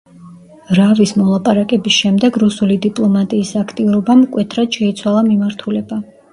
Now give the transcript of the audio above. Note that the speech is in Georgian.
რავის მოლაპარაკების შემდეგ რუსული დიპლომატიის აქტიურობამ მკვეთრად შეიცვალა მიმართულება.